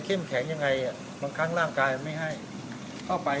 เข้มแข็งยังไงอ่ะบางครั้งร่างกายมันไม่ให้เข้าไป